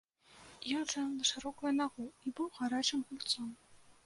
Ён жыў на шырокую нагу і быў гарачым гульцом.